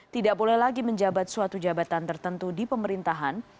tidak boleh lagi menjabat suatu jabatan tertentu di pemerintahan